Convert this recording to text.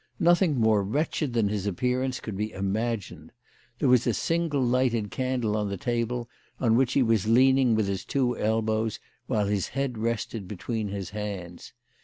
Nothing more wretched than his appear ance could be imagined. There was a single lighted candle on the table, on which he was leaning with his two elbows, while his head rested between his hands.